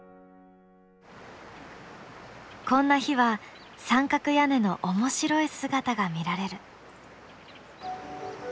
こんな日は三角屋根の面白い姿が見られる。